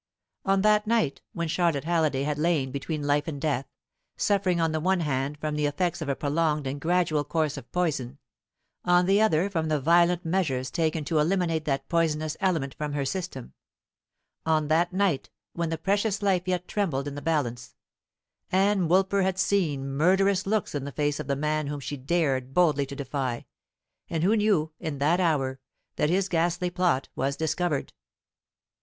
On that night when Charlotte Halliday had lain between life and death, suffering on the one hand from the effects of a prolonged and gradual course of poison, on the other from the violent measures taken to eliminate that poisonous element from her system, on that night when the precious life yet trembled in the balance, Ann Woolper had seen murderous looks in the face of the man whom she dared boldly to defy, and who knew in that hour that his ghastly plot was discovered.